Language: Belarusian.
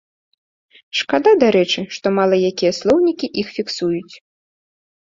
Шкада, дарэчы, што мала якія слоўнікі іх фіксуюць.